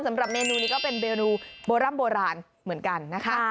สำหรับเมนูนี้ก็เป็นเมนูโบร่ำโบราณเหมือนกันนะคะ